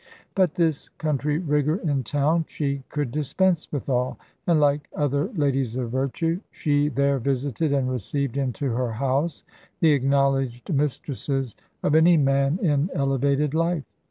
But this country rigour in town she could dispense withal; and, like other ladies of virtue, she there visited and received into her house the acknowledged mistresses of any man in elevated life.